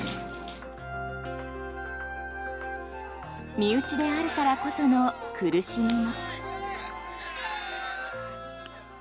身内であるからこその苦しみも。